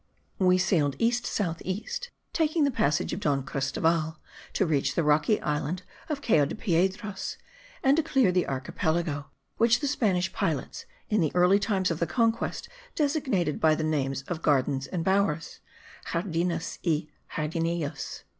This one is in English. We sailed east south east, taking the passage of Don Cristoval, to reach the rocky island of Cayo de Piedras, and to clear the archipelago, which the Spanish pilots, in the early times of the conquest, designated by the names of Gardens and Bowers (Jardines y Jardinillos).